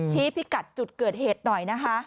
พิกัดจุดเกิดเหตุหน่อยนะคะ